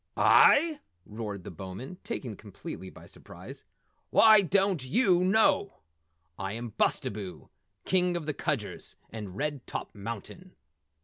"I?" roared the Bowman, taken completely by surprise. "Why, don't yew know? I am Bustabo, King of the Kudgers and Red Top Mountain."